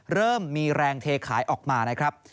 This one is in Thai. เริ่มมีแรงเทขายออกมานะครับ